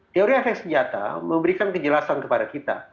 teori efek senjata memberikan kejelasan kepada kita